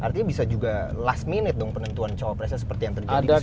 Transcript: artinya bisa juga last minute dong penentuan cawapresnya seperti yang terjadi di sana